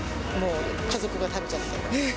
もう、家族が食べちゃって。